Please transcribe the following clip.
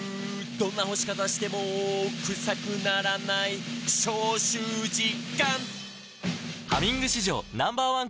「どんな干し方してもクサくならない」「消臭実感！」